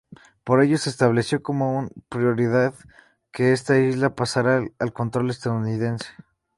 Por ello, se estableció como una prioridad que esta isla pasara al control estadounidense.